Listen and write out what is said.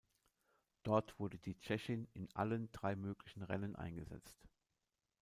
Dort wurde die Tschechin in allen drei möglichen Rennen eingesetzt.